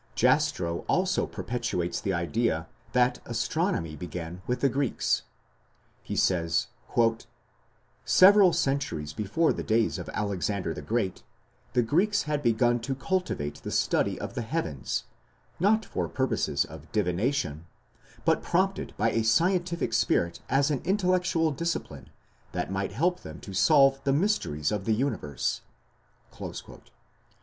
Jastrow also perpetuates the idea that astronomy began with the Greeks. "Several centuries before the days of Alexander the Great," he says, "the Greeks had begun to cultivate the study of the heavens, not for purposes of divination, but prompted by a scientific spirit as an intellectual discipline that might help them to solve the mysteries of the universe."